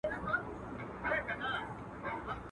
نه مرهم مي دي لیدلي نه مي څرک د طبیبانو.